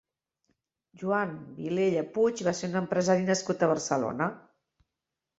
Joan Vilella Puig va ser un empresari nascut a Barcelona.